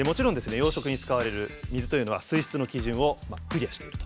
養殖に使われる水というのは水質の基準をクリアしていると。